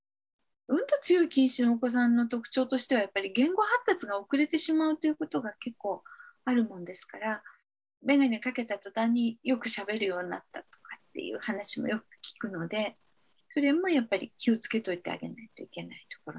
うんと強い近視のお子さんの特徴としてはやっぱり言語発達が遅れてしまうということが結構あるもんですからめがねかけた途端によくしゃべるようになったとかっていう話もよく聞くのでそれもやっぱり気をつけといてあげないといけないところになります。